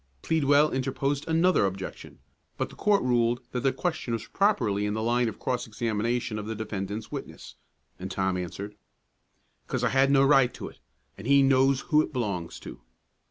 Pleadwell interposed another objection, but the court ruled that the question was properly in the line of cross examination of the defendant's witness, and Tom answered, "'Cause I had no right to it, an' he knows who it belongs to."